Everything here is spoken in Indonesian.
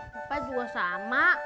bapak juga sama